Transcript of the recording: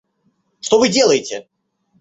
Что Вы делаете?